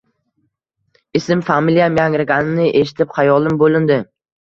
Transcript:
Ism-familiyam yangraganini eshitib xayolim bo`lindi